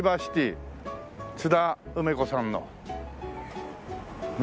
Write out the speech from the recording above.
津田梅子さんのねえ。